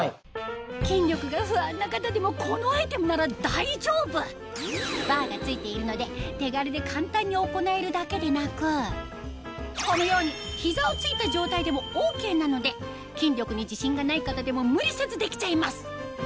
筋力が不安な方でもこのアイテムなら大丈夫バーが付いているので手軽で簡単に行えるだけでなくこのように膝をついた状態でもＯＫなので筋力に自信がない方でも無理せずできちゃいます